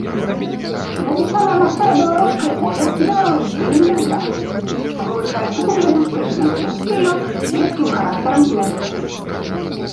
Напісана на старабеларускай мове дзелавым стылем без дат, вылучаецца публіцыстычнасцю стылю, свецкім характарам зместу.